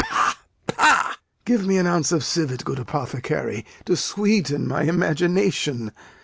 pah, pah! Give me an ounce of civet, good apothecary, to sweeten my imagination.